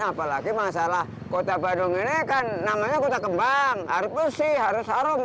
apalagi masalah kota bandung ini kan namanya kota kembang harus bersih harus harum